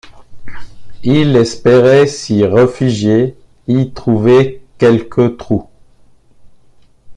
Il espérait s’y réfugier, y trouver quelque trou.